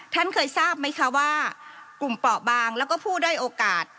ท่านเคยทราบไหมคะว่ากลุ่มเปราะบางแล้วก็ผู้ด้อยโอกาส